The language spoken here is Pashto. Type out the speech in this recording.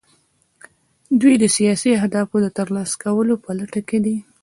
دوی د سیاسي اهدافو د ترلاسه کولو په لټه کې دي